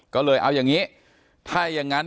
ก็เลยเอาอย่างนี้ถ้าอย่างนั้น